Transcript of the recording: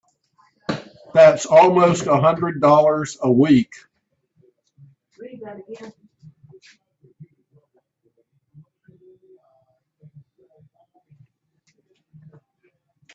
That's almost a hundred dollars a week!